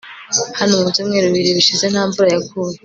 hano mu byumweru bibiri bishize nta mvura yaguye